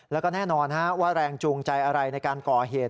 แล้วก็แน่นอนว่าแรงจูงใจอะไรในการก่อเหตุ